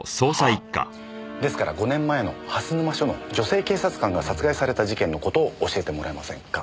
ですから５年前の蓮沼署の女性警察官が殺害された事件の事を教えてもらえませんか？